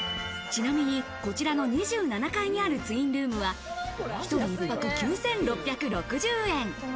ちなみにこちらの２７階にあるツインルームは、１人１泊９６６０円。